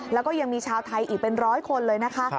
แล้วก็ยังมีชาวไทยอีกเป็นร้อยคนเลยนะคะ